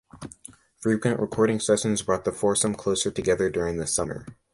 Frequent recording sessions brought the foursome closer together during the summer.